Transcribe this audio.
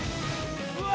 うわ！